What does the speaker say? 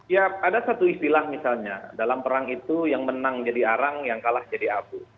ya ada satu istilah misalnya dalam perang itu yang menang jadi arang yang kalah jadi abu